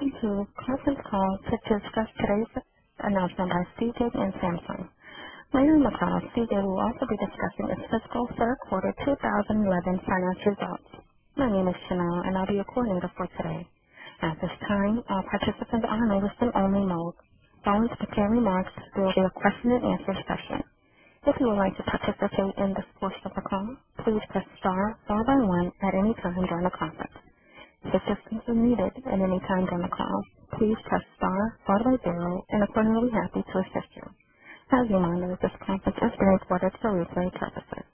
Welcome to conference call to discuss today's announcement by CJ and Samsung. Later on the call, CJ will also be discussing its fiscal 3rd quarter 2011 financial results. My name is Chanel, and I'll be your coordinator for today. At this time, all participants are in a listen only mode. Following prepared remarks, there will be a question and answer session. As a reminder, this conference is being recorded for replay purposes.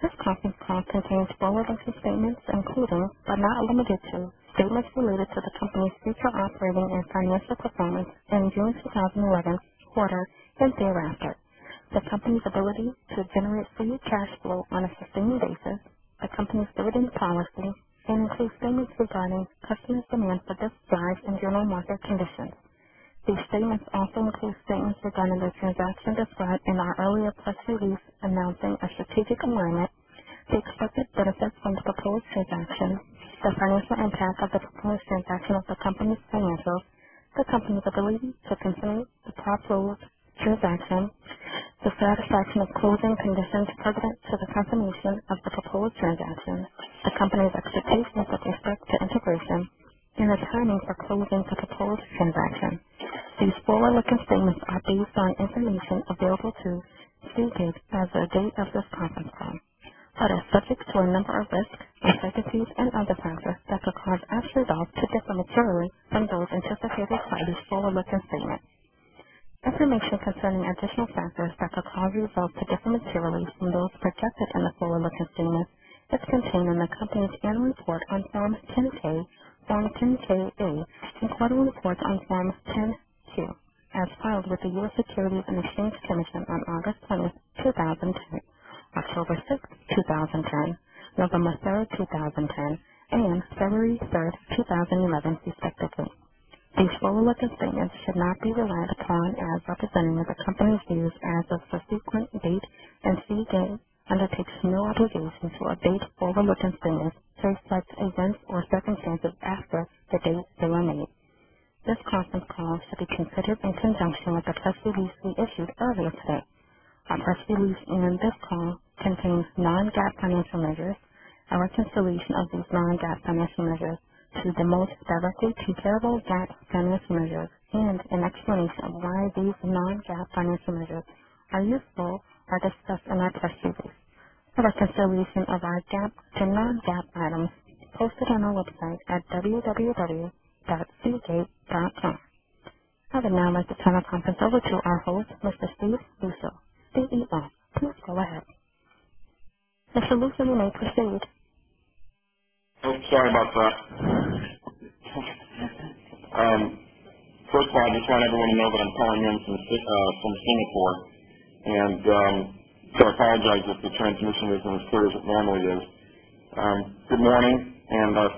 This conference call contains forward looking statements, including, but not limited to, statements related to the company's future operating and financial performance in June 2011 quarter and thereafter. The company's ability to generate free cash flow on a sustaining basis, the company's dividend policy and include statements regarding customer demand for this drive and general market conditions. These statements also include statements regarding the transaction described in our earlier press release announcing a strategic amendment, the expected benefits from the proposed transaction, the financial impact of the proposed transaction of the Company's financials, the Company's ability to continue the top rolled transaction the satisfaction of closing conditions pertinent to the confirmation of the proposed transaction the Company's execution with respect to integration and the timing of closing of measures and an explanation of why these non GAAP financial measures are useful are discussed in our press release. Production solution of our GAAP to non GAAP items posted on our website at www dotseagate.com. I would now like to turn the conference over to our host, Mr. Steve Lusso, CEO. Please go ahead. Good morning and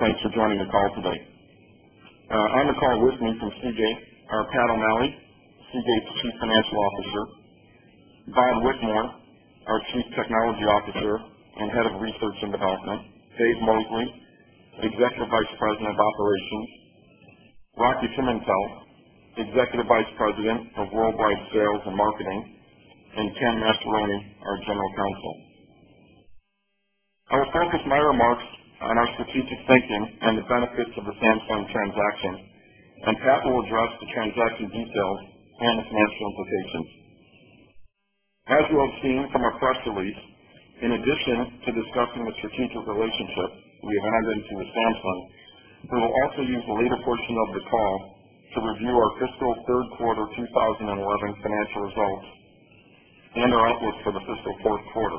thanks for joining the call today. On the call with me from Seagate are Pat O'Malley, Seagate's Chief Financial Officer Bob Whitmore, our Chief Technology Officer and Head of Research and Development Dave Mowgli, Executive Vice President of Operations Rocky Cimentel, Executive Vice President of Worldwide Sales and Marketing and Tim Mastaroni, our General Counsel. I will focus my remarks on our strategic thinking and the benefits of the Samsung transaction and Pat will address the transaction details and the financial implications. As you have seen from our press release, in addition to discussing the strategic relationship we have handed to the Samsung, we will also use the later portion of the call to review our fiscal Q3 2011 financial results and our outlook for the fiscal Q4.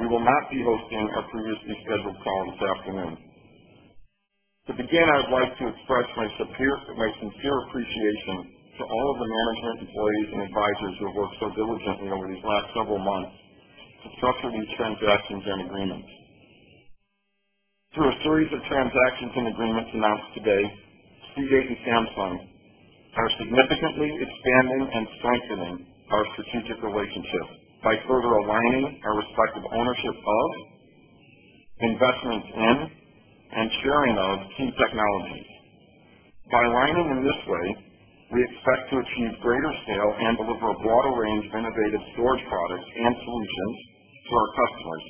We will not be hosting our previously scheduled call this afternoon. To begin, I'd like to express my sincere appreciation to all of the management employees and advisors who have worked so diligently over these last several months to structure these transactions and agreements. Through a series of transactions and agreements announced today, Seagate and Samsung are significantly expanding and strengthening our strategic relationship by further aligning our respective ownership of, investments in and sharing of key technologies. By aligning in this way, we expect to achieve greater scale and deliver a broader range of innovative storage products and solutions to our customers,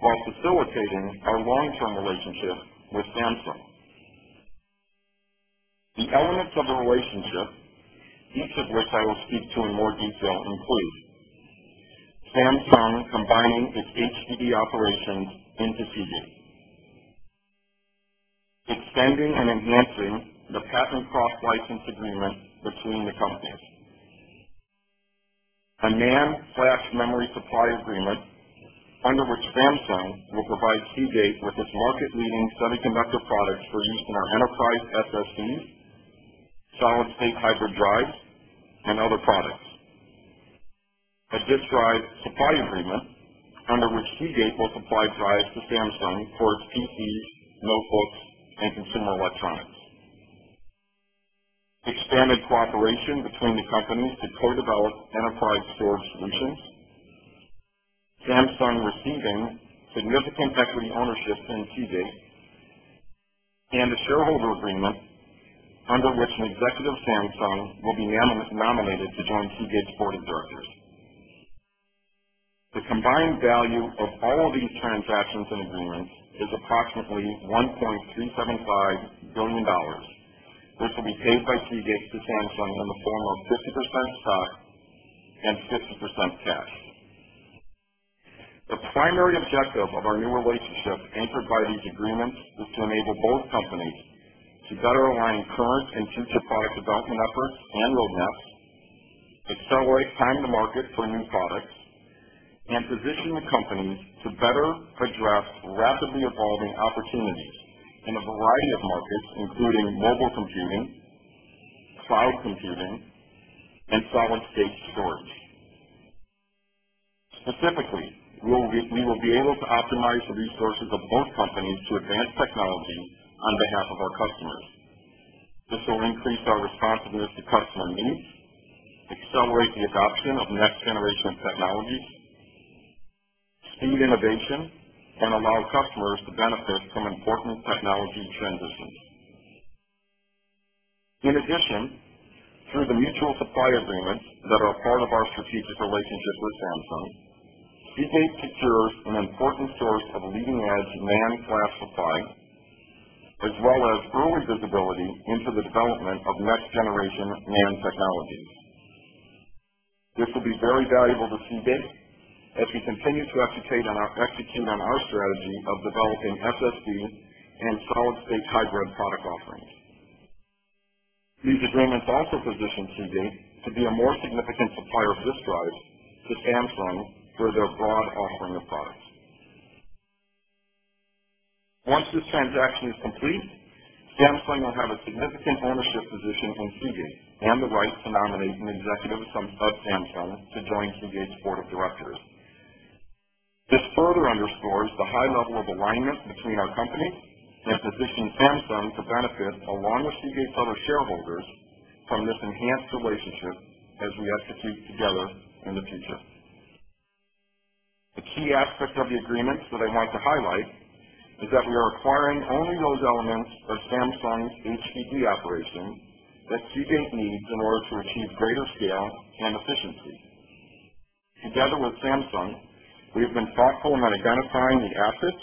while facilitating our long term relationship with Samsung. The elements of the relationship, each of which I will speak to in more detail, include Samsung combining its HDD operations into CD extending and enhancing the patent cross license agreement between the companies A NAND flash memory supply agreement under which Samsung will provide Seagate with its market leading semiconductor products for use in our enterprise SSDs, solid state hybrid drives and other products. A disk drive supply agreement under which Seagate will supply drives to Samsung for its PCs, notebooks and consumer electronics. Expanded cooperation between the companies to co develop enterprise storage solutions. Samsung receiving significant equity ownership in TD and a shareholder agreement under which an executive Samsung will be nominated to join Seagate's Board of Directors. The combined value of all of these transactions and agreements is approximately $1,375,000,000 which will be paid by Seagate to Samsung in the form of 50% stock and 60% cash. The primary objective of our new relationship anchored by these agreements is to enable both companies to better align current and future product development efforts and roadmaps, accelerate time to market for new products and position the companies to better address rapidly evolving opportunities in a variety of markets, including mobile computing, cloud computing and solid state storage. Specifically, we will be able to optimize the resources of both companies to advance technology on behalf of our customers. This will increase our responsibility to customer needs, accelerate the adoption of next generation technologies, speed innovation and allow customers to benefit from important technology transitions. In addition, through the mutual supply agreements that are part of our strategic relationship with Samsung, Seagate secures an important source of leading edge NAND flash supply as well as early visibility into the development of next generation NAND technologies. This will be very valuable to Seagate as we continue to execute on our executing on our strategy of developing SSD and solid state hybrid product offerings. These agreements also position Seagate to be a more significant supplier of disk drives to Samsung for their broad offering of products. Once this transaction is complete, Samsung will have a significant ownership position in Keygate and the right to nominate an executive of Samsung to join Keygate's Board of Directors. This further underscores the high level of alignment between our company and positions Samsung to benefit along with Seagate's other shareholders from this enhanced relationship as we execute together in the future. The key aspect of the agreements that I want to highlight is that we are acquiring only those elements for Samsung's HDD operation that Seagate needs in order to achieve greater scale and efficiency. Together with Samsung, we have been thoughtful in identifying the assets,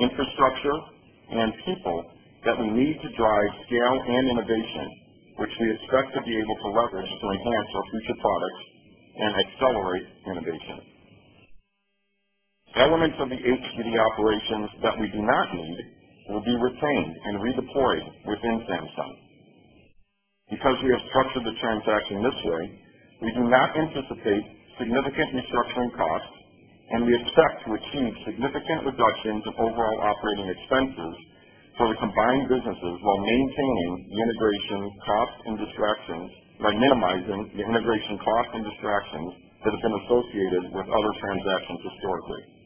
infrastructure and people that we need to drive scale and innovation, which we expect to be able to leverage to enhance our future products and accelerate innovation. Elements of the HDD operations that we do not need will be retained and redeployed within Samsung. Because we have structured the transaction this way, we do not anticipate significant restructuring costs and we expect to achieve significant reductions of overall operating expenses for the combined businesses while maintaining the integration costs and distractions by minimizing the integration costs and distractions that have been associated with other transactions historically.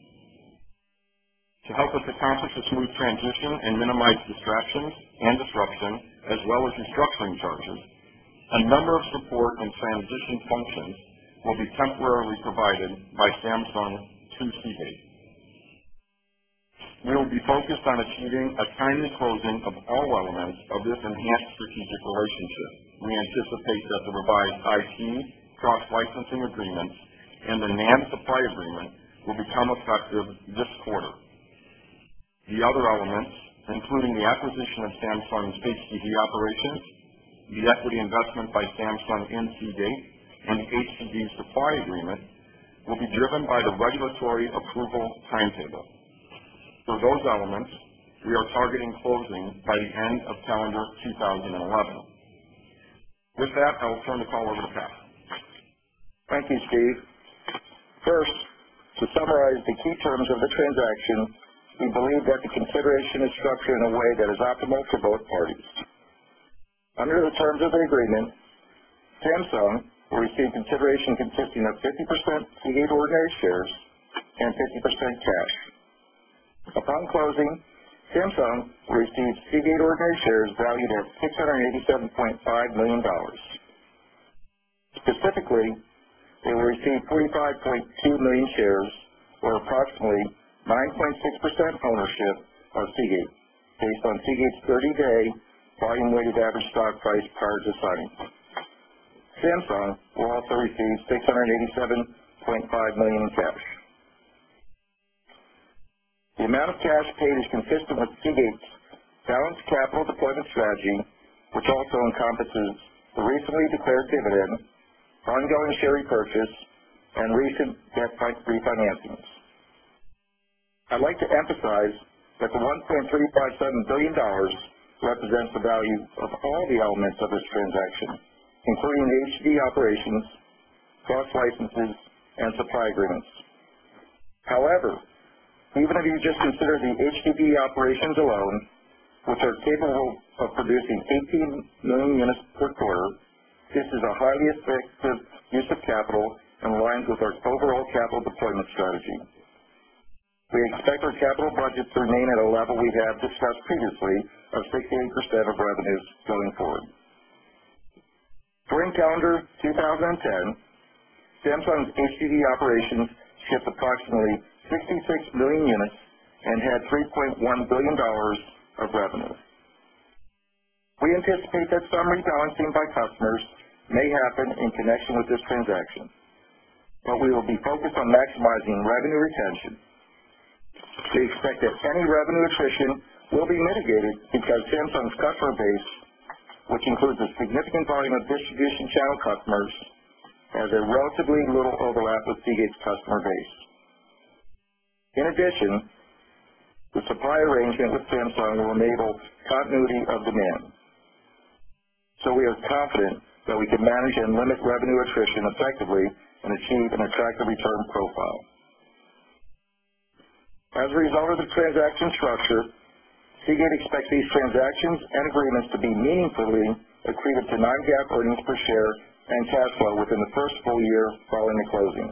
To help us accomplish a smooth transition and minimize distractions and disruption, as well as restructuring charges, a number of support and transition functions will be temporarily provided by Samsung 2 Seagate. We will be focused on achieving a timely closing of all elements of this enhanced strategic relationship. We anticipate that to provide IT, cross licensing agreements and the NAND supply agreement will become effective this quarter. The other elements, including the acquisition of Samsung's HCV operations, the equity investment by Samsung NCD and HCV supply agreement will be driven by the regulatory approval timetable. For those elements, we are targeting closing by the end of calendar 2011. With that, I will turn the call over to Pat. Thank you, Steve. First, to summarize the key terms of the transaction, we believe that the consideration is structured in a way that is optimal for both parties. Under the terms of the agreement, Samsung will receive consideration consisting of 50% Seagate Organized Shares and 50% cash. Upon closing, Samsung received CD8 organic shares valued at $687,500,000 Specifically, we received 45,200,000 shares or approximately 9.6 percent ownership of Seagate based on Seagate's 30 day volume weighted average stock price prior to signing. Samsung will also receive 687 $500,000 in cash. The amount of cash paid is consistent with CBIC's balanced capital deployment strategy, which also encompasses the recently declared dividend, ongoing share repurchase and recent debt type refinancings. I'd like to emphasize that the $1,357,000,000 represents the value of all the elements of this transaction, including HDB operations, cross licenses and supply agreements. However, even if you just consider the HDB operations alone, which are capable of producing 18,000,000 units per quarter, this is a highly effective use of capital and aligns with our overall capital deployment strategy. We expect our capital budget to remain at a level we've had discussed previously of 60% of revenues going forward. During calendar 2010, Samsung's HDD operations shipped approximately 66,000,000 units and had $3,100,000,000 of revenue. We anticipate that some rebalancing by customers may happen in connection with this transaction, but we will be focused on maximizing revenue retention. We expect that any revenue attrition will be mitigated because Samsung's customer base, which includes a significant volume of distribution channel customers, has a relatively little overlap with Seagate's customer base. In addition, the supply arrangement with Samsung will enable continuity of demand. So we are confident that we can manage and limit revenue attrition effectively and achieve an attractive return profile. As a result of the transaction structure, Seagate expects these transactions and agreements to be meaningfully accretive to non GAAP earnings per share and cash flow within the 1st full year following the closing.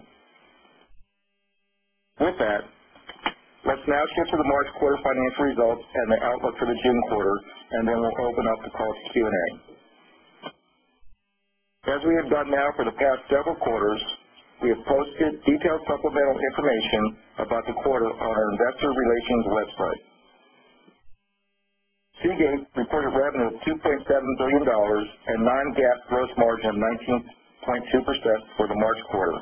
With that, let's now shift to the March quarter financial results and the outlook for the June quarter and then we'll open up the call for Q and A. As we have done now for the past several quarters, we have posted detailed supplemental information about the quarter on our Investor Relations website. Seagate reported revenue of $2,700,000,000 and non GAAP gross margin of 19.2% for the March quarter,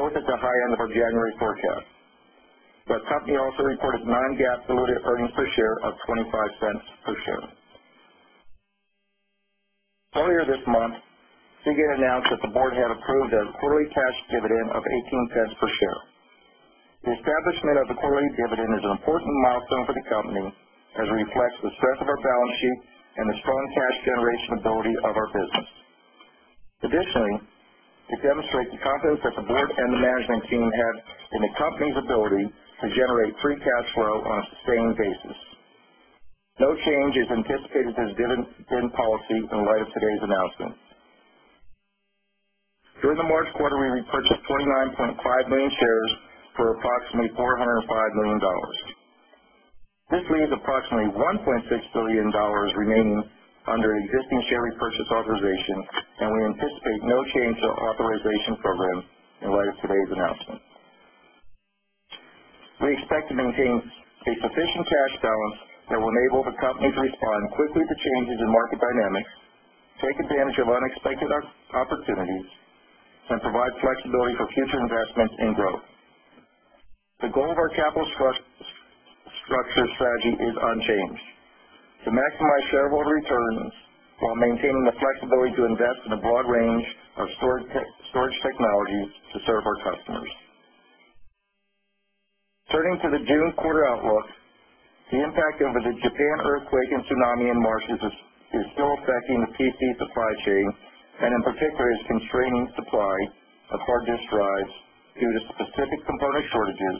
north at the high end of our January forecast. The Company also reported non GAAP diluted earnings per share of $0.25 per share. Earlier this month, CIGA announced that the Board had approved a quarterly cash dividend of $0.18 per share. The establishment of the quarterly dividend is an important milestone for the company as it reflects the strength of our balance sheet and the strong cash generation ability of our business. Additionally, it demonstrates the confidence that the Board and the management team had in the Company's ability to generate free cash flow on a sustained basis. No change is anticipated to this dividend policy in light of today's announcement. During the March quarter, we repurchased 49 point 5,000,000 shares for approximately $405,000,000 This leaves approximately $1,600,000,000 remaining under existing share repurchase authorization and we anticipate no change to our authorization program in light of today's announcement. We expect to maintain a sufficient cash balance that will enable the company to respond quickly to changes in market dynamics, take advantage of unexpected opportunities and provide flexibility for future investments and growth. The goal of our capital structure strategy is unchanged. To maximize shareholder returns, while maintaining the flexibility to invest in a broad range of storage technologies to serve our customers. Turning to the June quarter outlook, the impact of the Japan earthquake and tsunami in marshes is still affecting the PC supply chain and in particular is constraining supply of hard disk drives due to specific component shortages,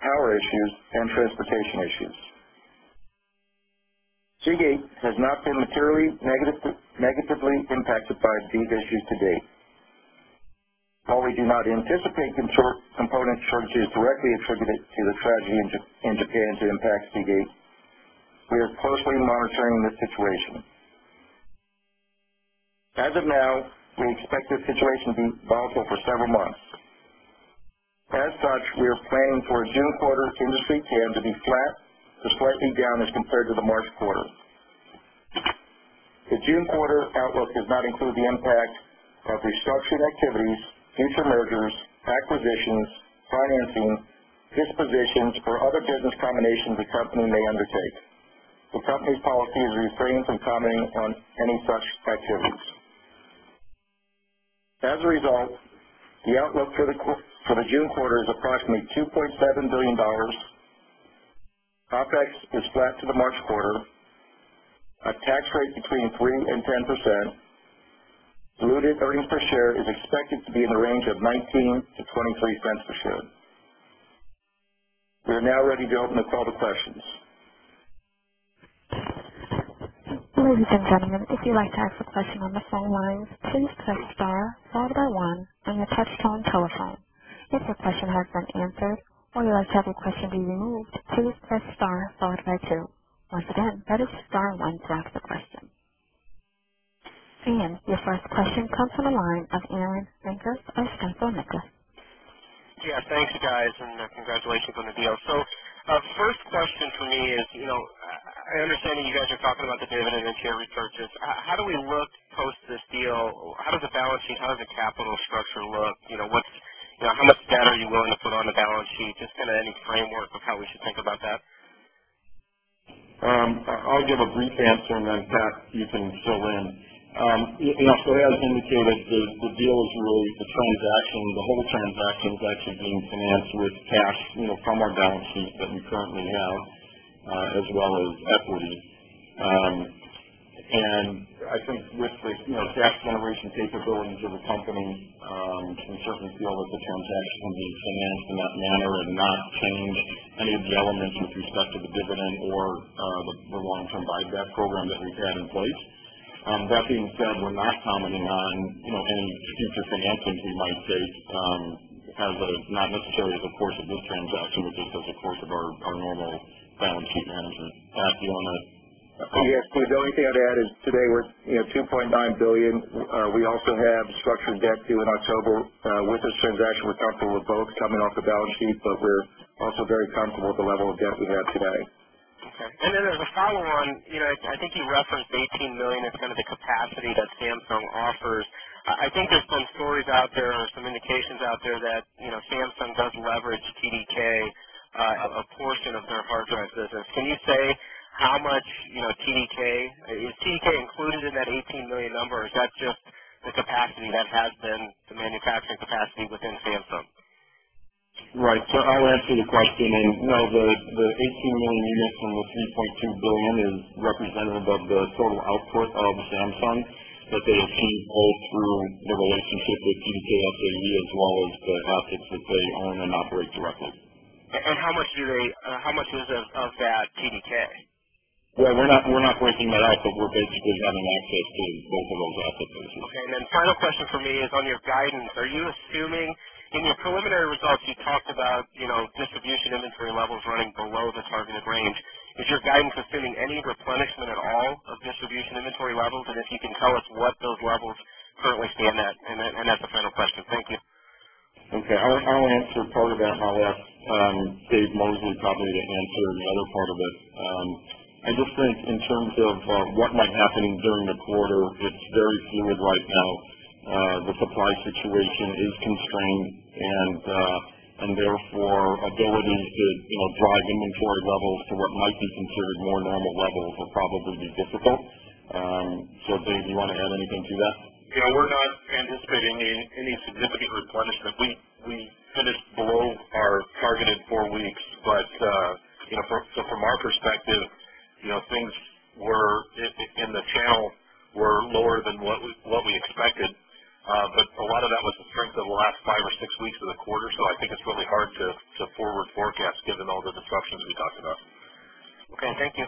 power issues and transportation issues. Seagate has not been materially negatively impacted by these issues to date. While we do not anticipate component shortages directly attributed to the tragedy in Japan to impact Seagate, We are closely monitoring this situation. As of now, we expect this situation to be volatile for several months. As such, we are planning for a June quarter industry TAM to be flat to slightly down as compared to the March quarter. The June quarter outlook does not include the impact of restructuring activities, future mergers, acquisitions, financing, dispositions or other business combinations the Company may undertake. The Company's policy is refraining from commenting on any such activities. As a result, the outlook for the June quarter is approximately $2,700,000,000 OpEx is flat to the March quarter, a tax rate between 3% 10%, diluted earnings per share is expected to be in the range of $0.19 to $0.23 per share. We are now ready to open the call to questions. Your first question comes from the line of Arren Ranchers of Stifel Nicola. So first question for me is, I understand that you guys are talking about the dividend and share repurchase. How do we look post this deal? How does the balance sheet, how does the capital structure look? How much debt are you willing to put on the balance sheet? Just kind of any framework of how we should think about that? I'll give a brief answer and then Pat, you can fill in. So as indicated, the deal is really the whole transaction is actually being financed with cash from our balance sheet that we currently have as well as equity. And I think with the cash generation capabilities of the company, we certainly feel that the transaction can be financed in that manner and not change any of the elements with respect to the dividend or the long term buyback program that we've had in place. That being said, we're not commenting on any future financing we might state as a not necessarily as a course of this transaction, but just as a course of our normal balance sheet management. Pat, do you want to? Yes. Steve, the only thing I'd add is today we're $2,900,000,000 We also have structured debt due in October with this transaction. We're comfortable with both coming off the balance sheet, but we're also very comfortable with the level of debt we have today. Okay. And then as a follow on, I think you referenced $18,000,000 is kind of the capacity that Samsung offers. I think there's some stories out there or some indications out there that Samsung does leverage TDK a portion of their hard drive business. Can you say how much TDK, is TDK included in that $18,000,000 number or is that just the capacity that has been the manufacturing capacity within Samsung? Right. So I'll answer the question. And no, the 18,000,000 units from the 3,200,000,000 is representative of the total output of Samsung that they achieved all through the relationship with TDK SAE as well as the optics that they own and operate directly. And how much do they how much is of that PDK? Well, we're not breaking that out, but we're basically having access to both of those assets. Okay. And then final question for me is on your guidance. Are you assuming in your preliminary results, you talked about distribution inventory levels running below the targeted range. Is your guidance assuming any replenishment at all of distribution inventory levels? And if you can tell us what those levels currently stand at? And that's a final question. Thank you. Okay. I'll answer part of that. I'll ask Dave Mosley probably to answer the other part of it. I just think in terms of what might happen during the quarter, it's very fluid right now. The supply situation is constrained and therefore, ability to drive inventory levels to what might be considered more normal levels would probably be difficult. So Dave, do you want to add anything to that? We're not anticipating any significant replenishment. We finished below our targeted 4 weeks, but from our perspective, things were in the channel were lower than what we expected, But a lot of that was the strength of the last 5 or 6 weeks of the quarter. So I think it's really hard to forward forecast given all the disruptions we talked about. Okay. Thank you.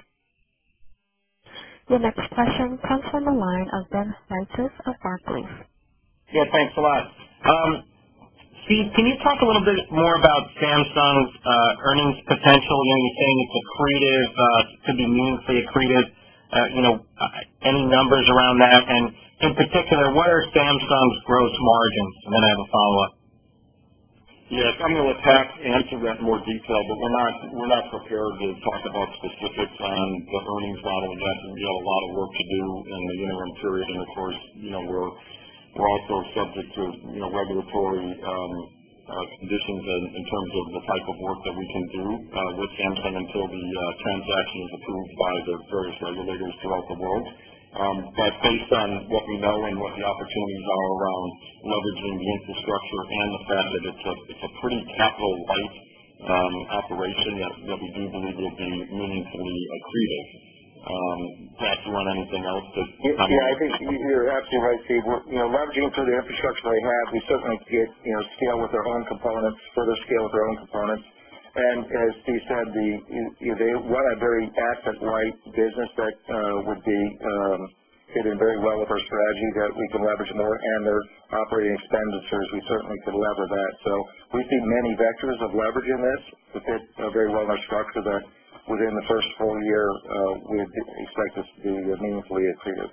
Your next question comes from the line of Ben Knightis of Barclays. Yes. Thanks a lot. Steve, can you talk a little bit more about Samsung's earnings potential? You're saying it's accretive, could be meaningfully accretive. Any numbers around that? And in particular, what are Samsung's gross margins? And then I have a follow-up. Yes. I'm going to let Pat answer that in more detail, but we're not prepared to talk about specifics on the earnings model. That's a lot of work to do in the interim period. And of course, we're also subject to regulatory conditions in terms of the type of work that we can do with Samsung until the transaction is approved by various regulators throughout the world. But based on what we know and what the opportunities are around leveraging the infrastructure and the fact that it's a pretty capital light operation that we do believe will be meaningfully accretive. Do you want anything else to comment on? Yes, I think you're absolutely right, Steve. We're largely into the infrastructure they have. We certainly get scale with their own components, further scale with their own components. And as Steve said, the what a very asset light business that would be hitting very well of our strategy that we can leverage more and their operating expenditures, we certainly could lever that. So we see many vectors of leveraging this. We fit very well in our structure that within the 1st full year, we expect this to be meaningfully accretive.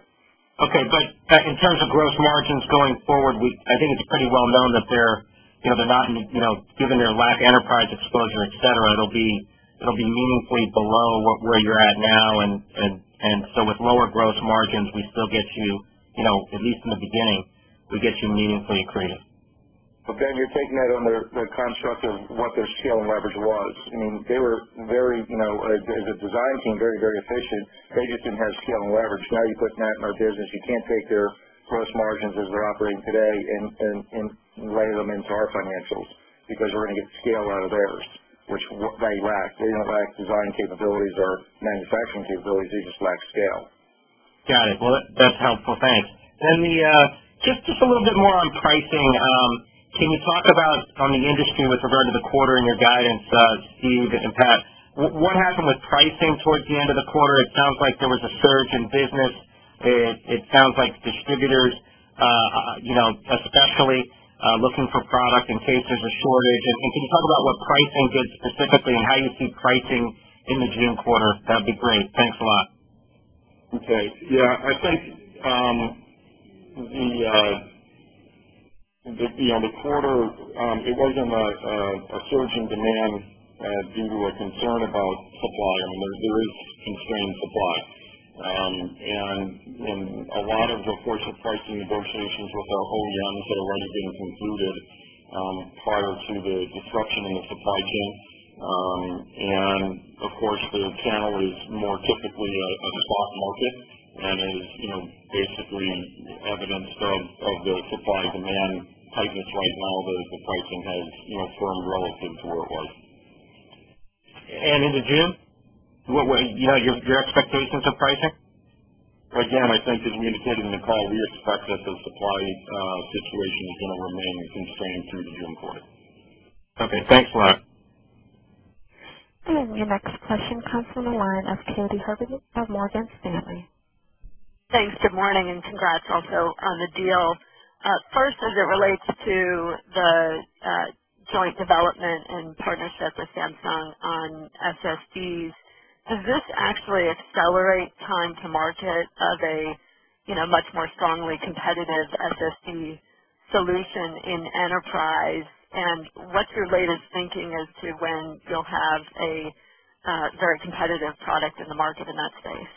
Okay. But in terms of gross margins going forward, I think it's pretty well known that they're not given their lack of enterprise exposure, etcetera, it'll be meaningfully below where you're at now. And so with lower gross margins, we still get you, at least in the beginning, we get you meaningfully accretive. Okay. And you take taking that on the construct of what their scale and leverage was. I mean, they were very as a design team, very, very efficient. They just didn't have scale and leverage. Now you put that in our business, you can't take their gross margins as they're operating today and lay them into our financials because we're going to get scale out of theirs, which they lack. They don't lack design capabilities or manufacturing capabilities. They just lack scale. Got it. Well, that's helpful. Thanks. And just a little bit more on pricing. Can you talk about on the industry with regard to the quarter in your guidance, Steve and Pat, What happened with pricing towards the end of the quarter? It sounds like there was a surge in business. It sounds like distributors, especially looking for product in case there's a shortage. And can you talk about what pricing did specifically and how you see pricing in the June quarter? That would be great. Thanks a lot. Okay. Yes, I think the quarter, it wasn't a surge in demand due to a concern about supply. I mean, there is constrained supply. And a lot of the Porsche pricing negotiations with our OEMs had already been concluded prior to the disruption in the supply chain. And of course, the channel is more typically a spot market and is basically evidence of the supply demand tightness right now, although the pricing has turned relative to where it was. And into June? What were your expectations of pricing? Again, I think as we indicated in the call, we expect that the supply situation is going to remain sustained through the June quarter. Okay. Thanks a lot. And your next question comes from the line of Katy Huberty of Morgan Stanley. Thanks. Good morning and congrats also on the deal. First, as it relates to the joint development and partnership with Samsung on SSDs, does this actually accelerate time to market of a much more strongly competitive SSD solution in enterprise? And what's your latest thinking as to when you'll have a very competitive product in the market in that space?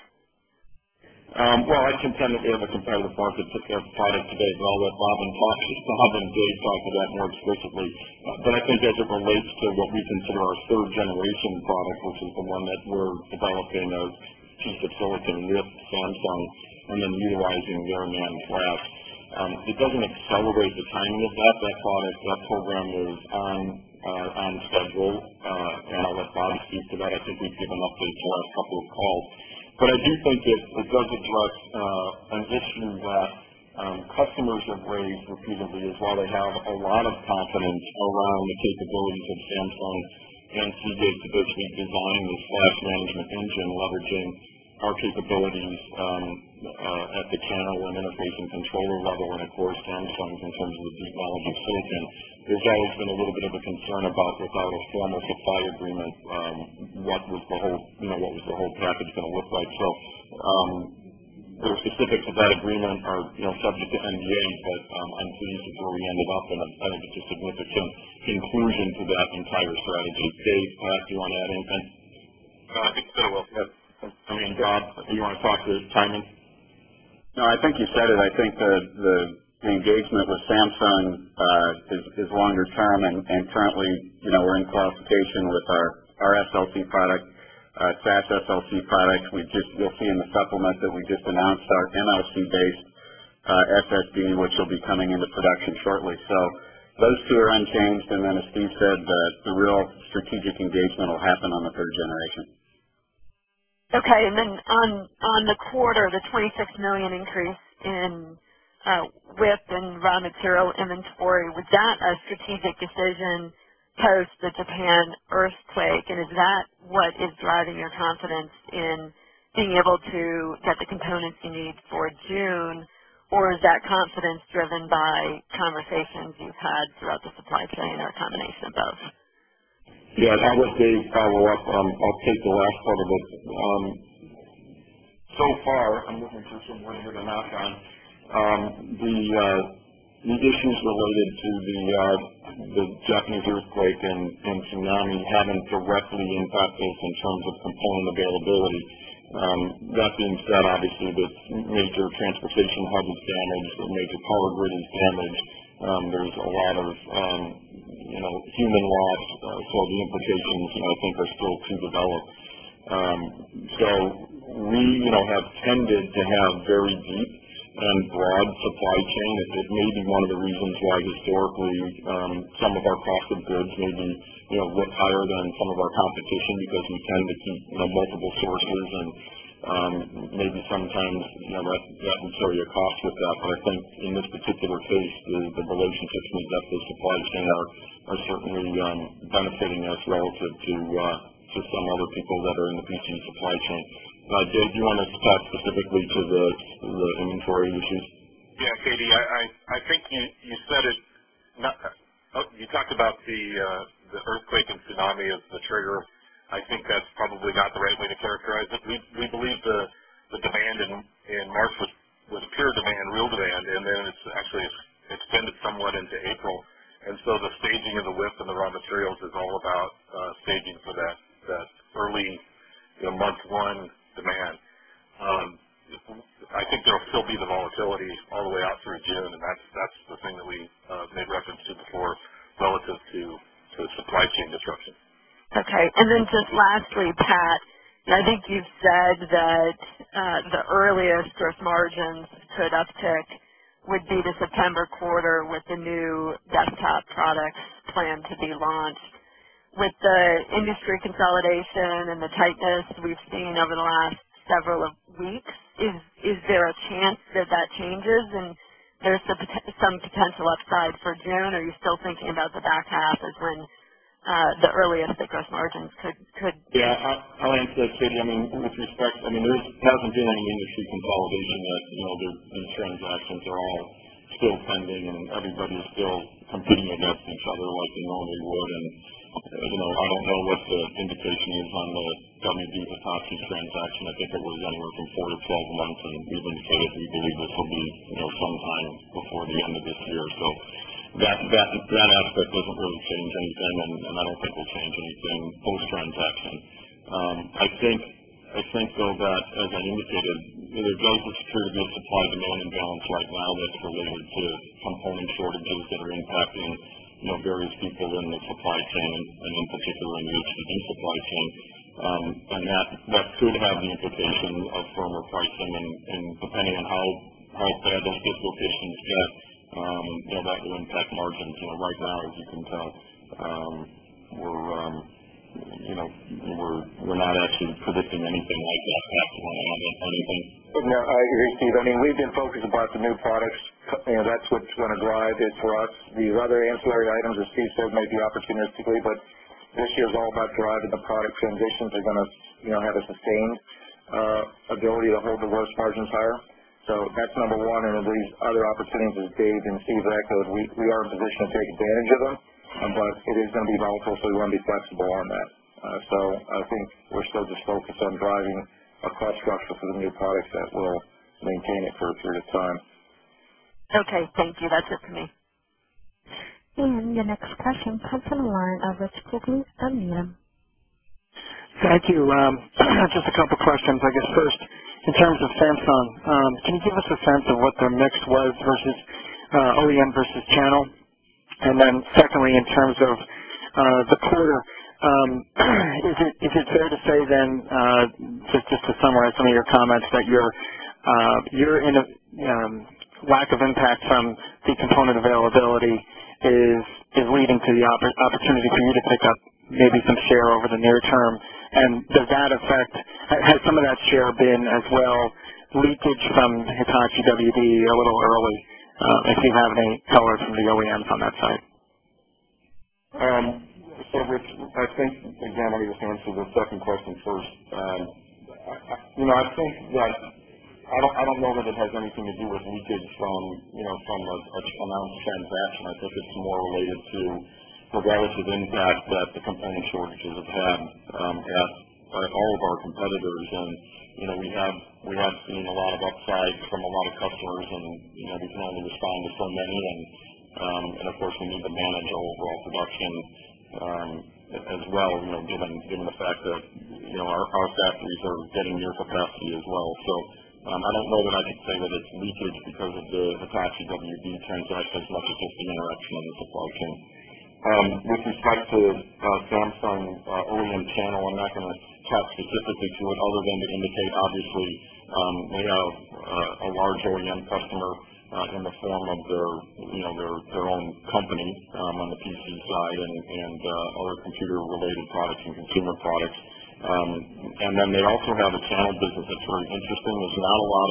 Well, I contend that we have a competitive market product today, but I'll let Bob and Dave talk to that more explicitly. But I think as it relates to what we consider our 3rd generation product, which is the one that we're developing as piece of silicon with Samsung and then utilizing their NAND flash. It doesn't accelerate the timing of that. That product program is on schedule and I'll let Bobby speak to that. I think we've given updates on a couple of calls. But I do think it does address an issue that customers have raised repeatedly as well. They have a lot of confidence around the capabilities of Samsung and Seagate to which we've designed the flash management engine leveraging our capabilities at the channel and interface and controller level and of course Samsung in terms of the deep biology of silicon. There's always been a little bit of a concern about without a formal supply agreement, what was the whole package going to look like. So the specifics of that agreement are subject to NDA, but I'm pleased with where we ended up in a I think just a little bit of inclusion to that entire strategy. Dave, do you want to add anything? I think so, Will. I mean, Rob, do you want to talk to the timing? No, I think you said it. I think the engagement with Samsung is longer term and currently we're in qualification with our SLC product, SaaS SLC product. We just you'll see in the supplement that we just announced our MLC based SSD, which will be coming into production shortly. So those 2 are unchanged. And then as Steve said, the real strategic engagement will happen on the 3rd generation. Okay. And then on the quarter, the $26,000,000 increase in WIP and raw material inventory, was that a strategic decision post the Japan earthquake? And is that what is driving your confidence in being able to get the components you need for June? Or is that confidence driven by conversations you've had throughout the supply chain or a combination of both? Yes. That was a follow-up. I'll take the last part of it. Issues related to the Japanese earthquake and tsunami haven't directly impacted in terms of component availability. That being said, obviously, this major transportation hub is damaged, the major power grid is damaged. There's a lot of human loss, so all the implications I think are still to develop. So we have tended to have very deep and broad supply chain. It may be one of the reasons why historically some of our cost of goods may be higher than some of our competition because we tend to keep multiple sources and maybe sometimes never at that maturity cost with that. But I think in this particular case, the relationships with that supply chain are certainly benefiting us relative to some other people that are in the P and C supply chain. Dave, do you want to talk specifically to the inventory issues? Yes. Katy, I think you said it you talked about the earthquake and tsunami as the trigger. I think that's probably not the right way to characterize it. We believe the demand in March was pure demand, real demand, and then it's actually extended somewhat into April. And so the staging of the WIP and the raw materials is all about staging for that early month 1 demand. I think there will still be the volatility all the way out through June and that's the thing that we made reference to before relative to the supply chain disruption. Okay. And then just lastly, Pat, I think you've said that the earliest gross margins to an uptick would be the September quarter with the new desktop products planned to be launched. With the industry consolidation and the tightness we've seen over the last several weeks, is there a chance that, that changes? And there's some potential upside for June? Are you still thinking about the back half as when the earliest that gross margins could Yes. I'll answer that, Katie. I mean, with respect I mean, there hasn't been any industry consolidation that these transactions are all still pending and everybody is still competing against each other like they normally would. And I don't know what the indication is on the coming Visa Tasi transaction. I think it was anywhere from 4 to 12 months and we've indicated we believe this will be some time before the end of this year. So that aspect doesn't really change anything and I don't think we'll change anything post transaction. I think though that, as I indicated, there does a security of supply demand imbalance right now that's related to component shortages that are impacting various people in the supply chain and in particular in the supply chain. And that could have an implication of firmer pricing and depending on how bad those dispositions get, that is in tech margins right now as you can tell. We're not actually predicting anything like that. That's why I don't have anything. No, I agree, Steve. I mean, we've been focused about the new products. That's what's going to drive it for us. These other ancillary items, as Steve said, maybe opportunistically, but this year is all about driving the product transitions. They're going to have a sustained ability to hold the gross margins higher. So that's number 1. And of these other opportunities, as Dave didn't see that echoed, we are in a position to take advantage of them, but it is going to be volatile. So we want to be flexible on that. So I think we're still just focused on driving our cost structure for the new products that will maintain it for a period of time. Okay. Thank you. That's it for me. And your next question comes from the line of Rich Poggins of Needham. Thank you. Just a couple of questions. I guess first, in terms of Samsung, can you give us a sense of what their mix was versus OEM versus channel? And then secondly, in terms of the quarter, is it fair to say then, just to summarize some of your comments, that your lack of impact from the component availability is leading to the opportunity for you to pick up maybe some share over the near term. And does that affect has some of that share been as well leakage from Hitachi WBE a little early? If you have any color from the OEMs on that side? So, Rich, I think, examining this answer to the second question first. I think that I don't know that it has anything to do with leakage from an unannounced transaction. I think it's more related to the relative impact that the component shortages have had at all of our competitors. And we have seen a lot of upside from a lot of customers and we've been able to respond to so many and of course we need to manage our overall production as well given the fact that our cost factories are getting near capacity as well. So I don't know that I could say that it's leakage because of the Hitachi WB transaction as much as on the supply chain. With respect to Samsung OEM channel, I'm not going to touch specifically to it other than to indicate obviously we have a large OEM customer in the form of their own company on the PC side and other computer related products and consumer products. And then they also have a channel business that's very interesting. There's not a lot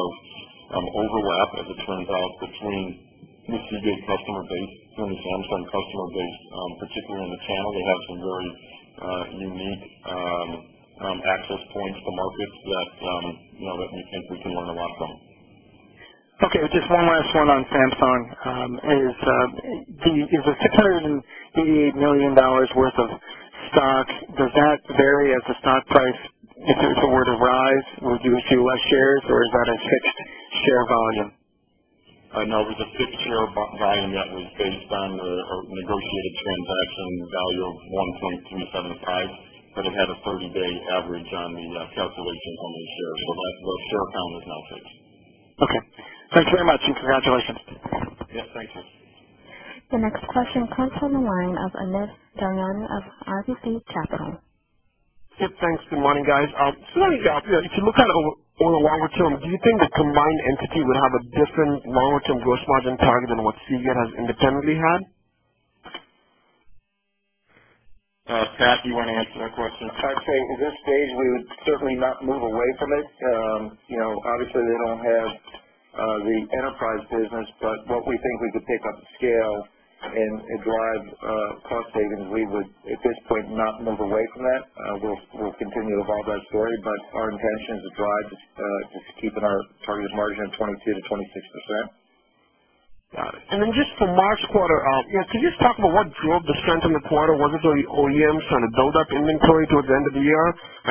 of overlap, as it turns out, between the Seagate customer base and the Samsung customer base, particularly in the channel, they have some very unique access points to markets that we think we can learn a lot from. Okay. Just one last one on Samsung. Is the $688,000,000 worth of stock, does that vary as the stock price, if it were to rise, would you assume less shares or is that a fixed share volume? No, it was a fixed share volume that was based on the negotiated transaction value of 1.275 but it had a 30 day average on the calculation on the shares. So that share count is now fixed. Okay. Thanks very much and congratulations. Yes. Thank you. Your next question comes from the line of Amit Dhanjani of RBC Capital. Yes, thanks. Good morning, guys. So let me just ask you, if you look at it on a longer term, do you think the combined entity would have a different longer term gross margin target than what Seagate has independently had? Pat, do you want to answer that question? I'd say at this stage, we would certainly not move away from it. Obviously, they don't have the enterprise business, but what we think we could pick up the scale and drive cost savings, we would, at this point, not move away from that. We'll continue to evolve that story, but our intention is to drive just keeping our targeted margin 22% to 26%. Got it. And then just for March quarter, yes, can you just talk about what drove the strength in the quarter? Was it the OEMs trying to build up inventory towards the end of the year,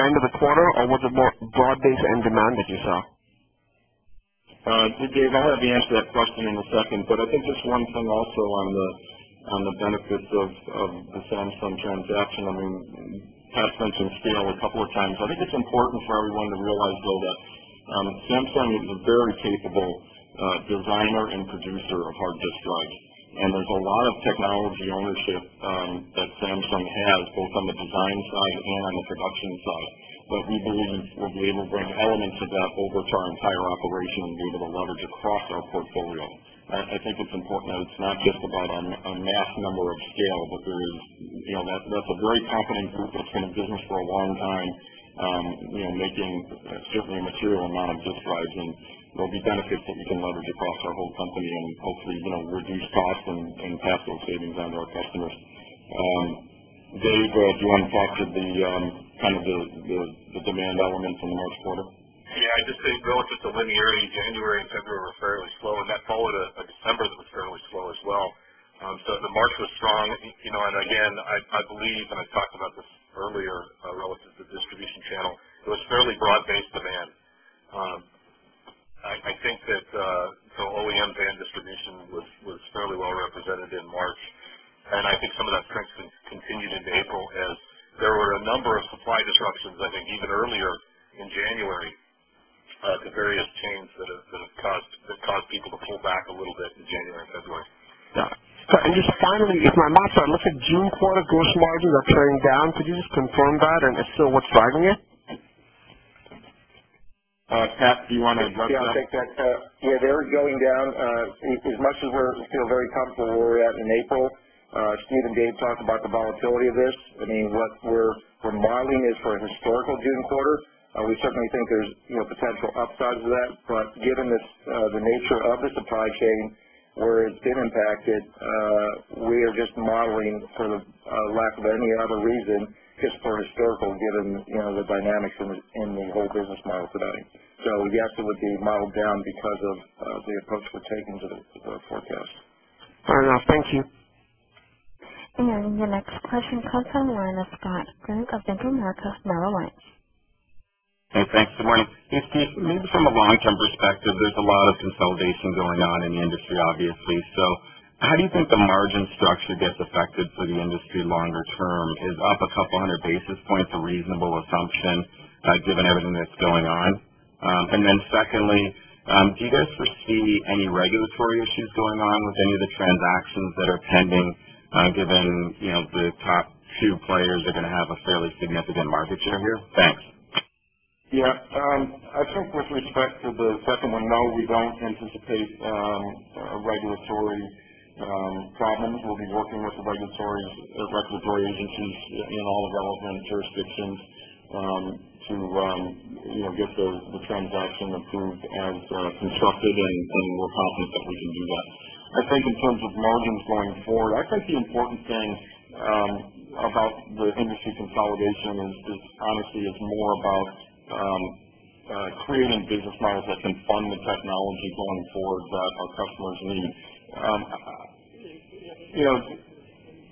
end of the quarter? Or was it more broad based end demand that you saw? Dave, I'll have you answer that question in a second. But I think just one thing also on the benefits of the Samsung transaction. I mean Pat mentioned scale a couple of times. I think it's important for everyone to realize though that Samsung is a very capable designer and producer of hard disk drives and there's a lot of technology ownership that Samsung has, both on the design side and on the production side. But we believe we'll be able to bring elements of that over to our entire operation and give the leverage across our portfolio. I think it's important that it's not just about a mass number of scale, but there is that's a very confident group that's been in business for a long time making certainly a material amount of disc drives and there'll be benefits that we can leverage across our whole company and hopefully reduce costs and pass those savings on to our customers. Dave, do you want to talk to the kind of the demand elements in the March quarter? Yes. I'd just say relative to the linearity, January and February were fairly slow and that followed I it was fairly broad based demand. I think that the OEM band distribution was fairly well represented in March. And I think some of that trends continued into April as there were a number of supply disruptions, I think even earlier in January to various chains that have caused people to pull back a little bit in January February. And just finally, if my looks at June quarter gross margins are turning down. Could you just confirm that? And if so, what's driving it? Pat, do you want to add that? Yes, they're going down as much as we feel very comfortable where we're at in April. Steve and Dave talked about the volatility of this. I mean, what we're modeling is for a historical June quarter. We certainly think there's potential upside to that. But given the nature of the supply chain where it's been impacted, we are just modeling for lack of any other reason just for historical given the dynamics in the whole business model today. So yes, it would be modeled down because of the approach we're taking to forecast. Fair enough. Thank you. And your next question comes from the line of Scott Brink of Bank of America Merrill Lynch. Hey, thanks. Good morning. Steve, maybe from a long term perspective, there's a lot of consolidation going on in the industry, obviously. So how do you think the margin structure gets affected for the industry longer term? Is up a couple of 100 basis points a reasonable assumption given everything that's going on? And then secondly, do you guys foresee any regulatory issues going on with any of the transactions that are pending given the top two players are going to have a fairly significant market share here? Thanks. Yes. I think with respect to the second one, no, we don't anticipate regulatory government. We'll be working with the regulatory agencies in all of our land jurisdictions to get the transaction approved as constructive and we're confident that we can do that. I think in terms of margins going forward, I think the important thing about the industry consolidation is, honestly, it's more about creating business models that can fund the technology going forward that our customers need.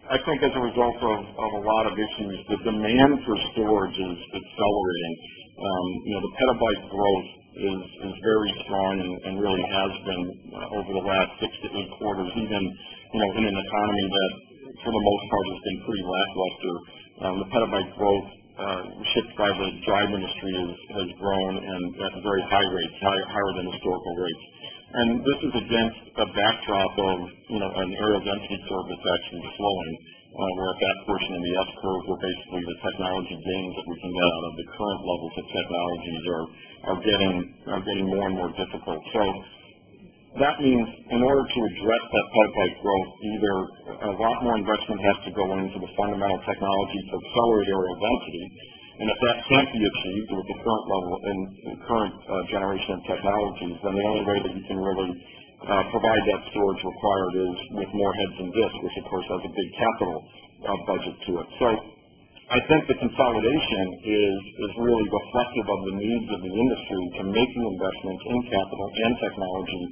I think as a result of a lot of issues, the demand for storage is accelerating. The petabyte growth is very strong and really has been over the last 6 to 8 quarters even in an economy that for the most part has been pretty lackluster. The petabyte growth ship driver and drive industry has grown and at very high rates, higher than historical rates. And this is against a backdrop of an aerial density service actually slowing, where at that portion of the S curve where basically the technology gains that we can get out of the current levels of technologies are getting more and more difficult. So that means in order to address that pipeline growth, either a lot more investment has to go into the fundamental technology to accelerate aerial density and if that can't be achieved at a different level and current generation of technologies, then the only way that you can really provide that storage required is with more heads and disks, which of course has a big capital budget to it. So I think the consolidation is really reflective of the needs of the industry to make an investment in capital and technology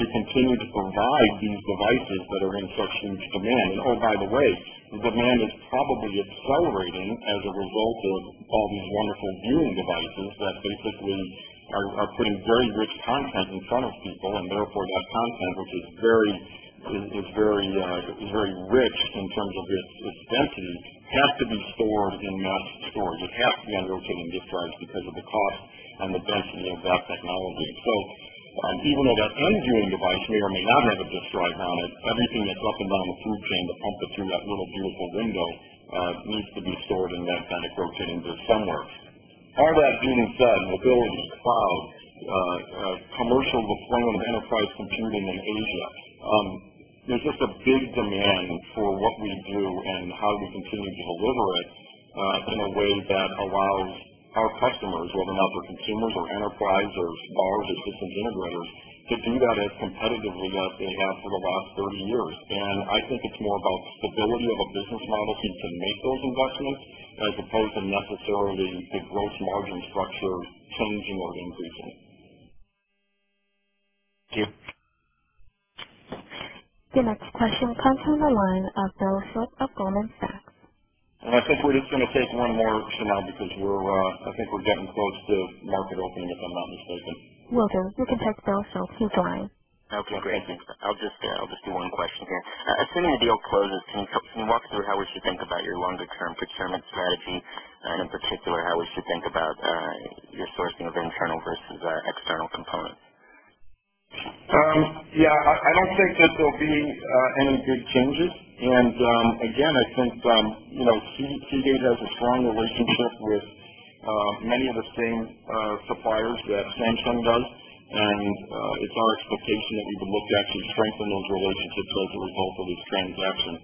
to continue to provide these devices that are in such huge demand. And, oh, by the way, the demand is probably accelerating as a result of all these wonderful viewing devices that basically are putting very rich content in front of people and therefore that content, which is very rich in terms of its density has to be stored in that storage. It has to be underutil and discharge because of the cost and the density of that technology. So even though that end viewing device may or may not have a disk drive on it, everything that's up and down the food chain to pump it through that little beautiful window needs to be stored in that kind of rotating door somewhere. All that being said, mobility, cloud, commercial deployment of enterprise computing in Asia, there's just a big demand for what we do and how we continue to deliver it in a way that allows our customers, whether or not they're consumers or enterprises, ours, assistant integrators, to do that as competitively as they have for the last 30 years. And I think it's more about stability of a business model to make those investments as opposed to necessarily the gross margin structure changing or increasing. Thank you. Your next question comes from the line of Bill Shope of Goldman Sachs. And I think we're just going to take one more because we're I think we're getting close to market opening, if I'm not mistaken. Okay, great. Thanks. I'll just do one question here. Assuming the deal closes, can you walk through how we should think about your longer term procurement strategy? And in particular, how we should think about your sourcing of internal versus external components? Yes, I don't think that there will be any good changes. And again, I think Seagate has a strong relationship with many of the same suppliers that Samsung does. And it's our expectation that we would look to actually strengthen those relationships as a result of these transactions.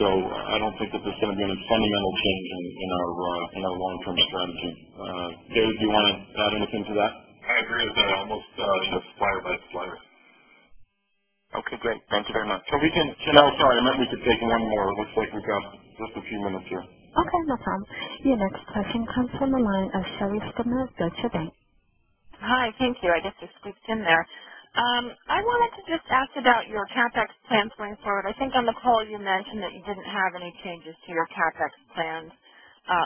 So I don't think that there's going to be any fundamental change in our long term strategy. Dave, do you want to add anything to that? I agree. That almost shifts flyer by flyer. Okay, great. Thank you very much. So we can Janelle, sorry, I meant we could take one more. It looks like we've got just a few minutes here. Okay. No problem. Your next question comes from the line of Sherry Stifman of Deutsche Bank. Hi. Thank you. I guess I squeaked in there. I wanted to just ask about your CapEx plans going forward. I think on the call, you mentioned that you didn't have any changes to your CapEx plans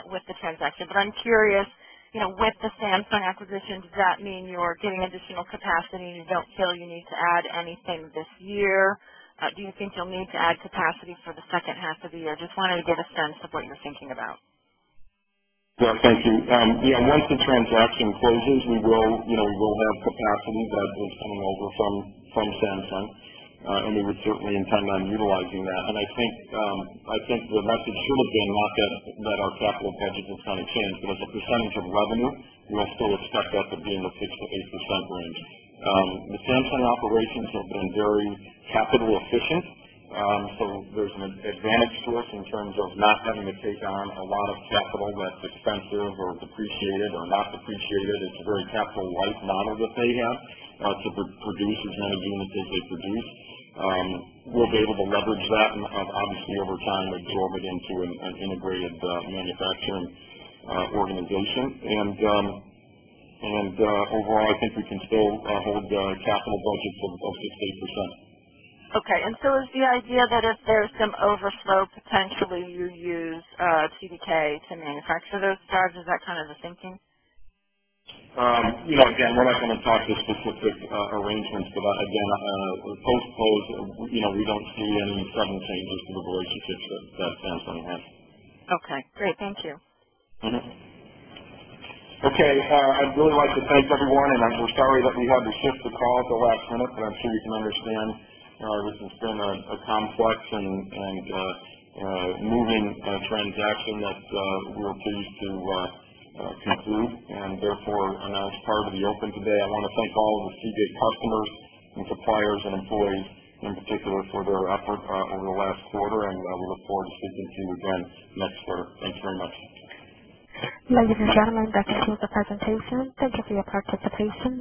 with the transaction. But I'm curious, with the Samsung acquisition, does that mean you're getting additional capacity and you don't feel you need to add anything this year? Do you think you'll need to add capacity for the second half of the year? Just wanted to get a sense of what you're thinking about. Yes. Thank you. Yes, once the transaction closes, we will have capacity that was coming over from Samsung and we would certainly intend on utilizing that. And I think the message should have been not that our capital budget has kind of changed, but as a percentage of revenue, we'll still expect that to be in the 6% to 8% range. The Samsung operations have been very capital efficient. So there's an advantage to us in terms of not having to take on a lot of capital that's expensive or depreciated or not depreciated. It's a very capital light model that they have to produce as many units as they produce. We'll be able to leverage that and obviously over time absorb it into an integrated manufacturing organization. And overall, I think we can still hold capital budget for about 6% to 8%. Okay. And so is the idea that if there is some overflow potentially, you use TDK to manufacture those cards. Is that kind of the thinking? You know, again, we're not going to talk to specific arrangements, but, again, we're postposed. We don't see any sudden changes to the relationship that stands on hand. Okay. Great. Thank you. Okay. I'd really like to thank everyone and we're sorry that we had to shift the call at the last minute, but I'm sure you can understand it has been a complex and moving transaction that we're pleased to conclude and therefore, as part of the open today. I want to thank all of the Seagate customers and suppliers and employees in particular for their effort over the last quarter and we look forward to speaking to you again next quarter. Thanks very much. Ladies and gentlemen, that concludes the presentation. Thank you for your participation.